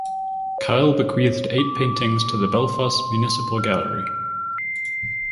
Kyle bequeathed eight paintings to the Belfast Municipal Gallery.